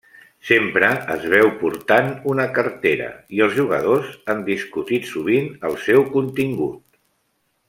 Sempre es veu portant una cartera, i els jugadors han discutit sovint el seu contingut.